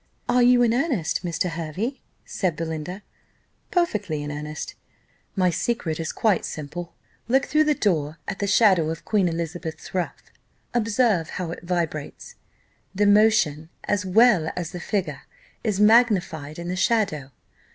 "Are you in earnest, Mr. Hervey?" said Belinda. "Perfectly in earnest my secret is quite simple. Look through the door at the shadow of Queen Elizabeth's ruff observe how it vibrates; the motion as well as the figure is magnified in the shadow.